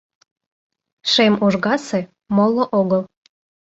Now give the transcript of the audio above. Шем ужгасе, моло огыл.